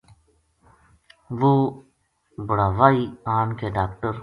وہ بُڑاوائی آن کے ڈاکٹر